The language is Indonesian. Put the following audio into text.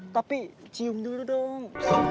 tapi cium dulu dong